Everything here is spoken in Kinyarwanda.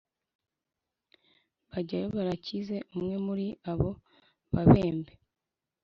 bajyayo barakize Umwe muri abo babembe